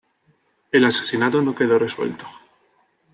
El asesinato no quedó resuelto.